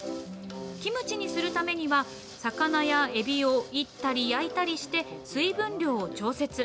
キムチにするためには、魚やエビをいったり焼いたりして、水分量を調節。